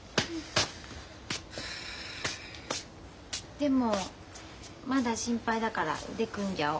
でもまだ心配だから腕組んじゃお。